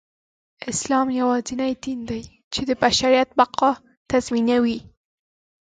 اسلام يواځينى دين دى، چې د بشریت بقاﺀ تضمينوي.